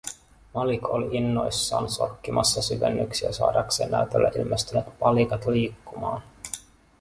Malik oli innoissaan sorkkimassa syvennyksiä saadakseen näytölle ilmestyneet palikat liikkumaan.